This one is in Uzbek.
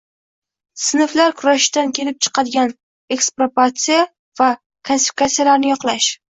— «sinflar kurashi»dan kelib chiqadigan ekspropriatsiya va konfiskatsiyalarni yoqlash;